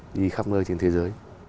đi khắp nơi trên thế giới